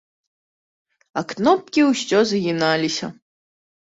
А кнопкі ўсё загіналіся.